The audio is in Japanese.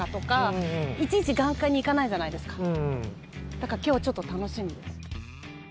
だから今日はちょっと楽しみです。